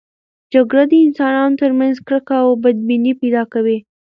جګړه د انسانانو ترمنځ کرکه او بدبیني پیدا کوي.